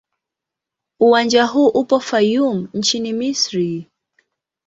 Uwanja huu upo Fayoum nchini Misri.